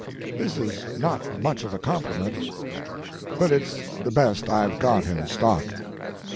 This is not much of a compliment, but it's the best I've got in stock.